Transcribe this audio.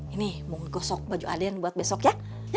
ini mau gue gosok baju aden buat besok ya